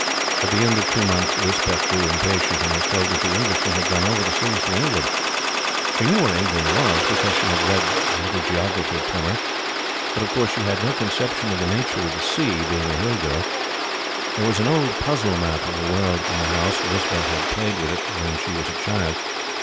At the end of two months, Lispeth grew impatient, and was told that the Englishman had gone over the seas to England. She knew where England was, because she had read little geography primers; but, of course, she had no conception of the nature of the sea, being a Hill girl. There was an old puzzle map of the World in the House. Lispeth had played with it when she was a child.